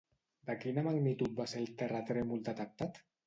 De quina magnitud va ser el terratrèmol detectat?